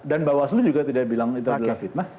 dan mbak waslu juga tidak bilang itu adalah fitnah